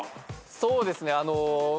そうですねあの。